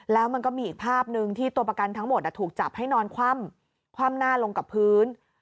แล้วมันก็มีอีกภาพหนึ่งที่ตัวประกันทั้งหมดถูกจับให้นอนคว่ำคว่ำหน้าลงกับพื้น